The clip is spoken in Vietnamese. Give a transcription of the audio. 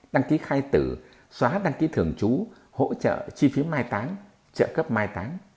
đăng ký khai tử xóa đăng ký thường trú hỗ trợ chi phí mai táng trợ cấp mai táng